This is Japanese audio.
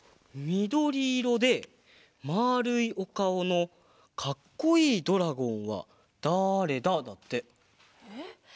みどりいろでまあるいおかおのかっこいいドラゴン？